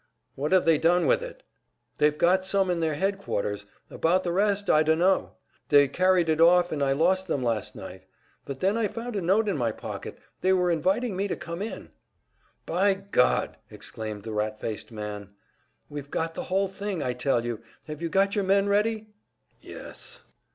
"What have they done with it?" "They've got some in their headquarters. About the rest I dunno. They carried it off and I lost them last night. But then I found a note in my pocket they were inviting me to come in." "By God!" exclaimed the rat faced man. "We've got the whole thing, I tell you! Have you got your men ready?" "Yes."